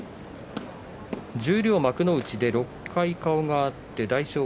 十両幕内で６回顔が合っています。